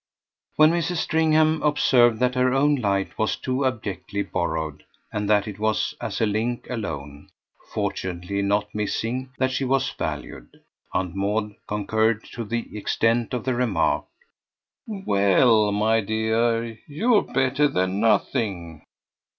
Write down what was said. When Mrs. Stringham observed that her own light was too abjectly borrowed and that it was as a link alone, fortunately not missing, that she was valued, Aunt Maud concurred to the extent of the remark: "Well, my dear, you're better than nothing."